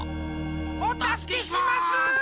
おたすけします！